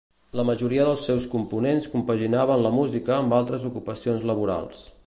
La majoria dels seus components compaginaven la música amb altres ocupacions laborals.